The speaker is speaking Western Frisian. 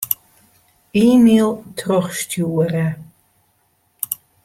E-mail trochstjoere.